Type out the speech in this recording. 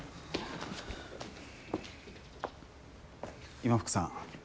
・今福さん